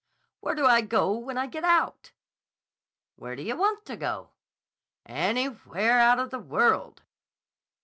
"Where do I go when I get out?" "Where do you want to go?" "Anywhere out of the world."